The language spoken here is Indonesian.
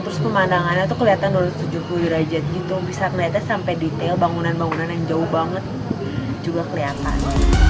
terus pemandangannya tuh kelihatan dua ratus tujuh puluh derajat gitu bisa ngeliatnya sampai detail bangunan bangunan yang jauh banget juga kelihatan